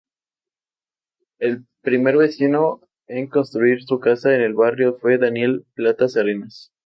El primer vecino en construir su casa en el barrio fue Daniel Platas Arenas.